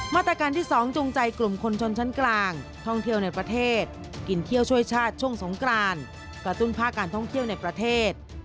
มาตรการที่๒จูงใจกลุ่มคนชนชั้นกลางท่องเที่ยวในประเทศกินเที่ยวช่วยชาติช่วงสงกรานกระตุ้นภาคการท่องเที่ยวในประเทศ